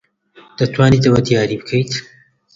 دەتوانیت ئەوە دیاری بکەیت؟